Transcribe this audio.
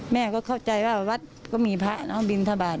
แม่เข้าใจว่าวัดนั้นมีผัดบิมทบาท